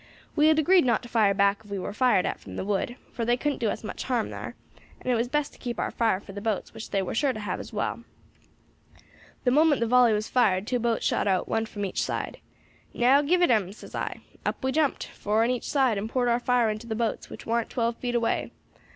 We had agreed not to fire back if we war fired at from the wood, for they couldn't do us much harm thar, and it was best to keep our fire for the boats which they war sure to have as well. "The moment the volley was fired two boats shot out, one from each side. 'Now, give it 'em,' says I. Up we jumped, four on each side, and poured our fire into the boats, which warn't twelve feet away.